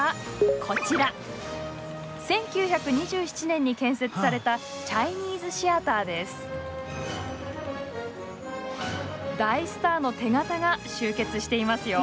１９２７年に建設された大スターの手形が集結していますよ。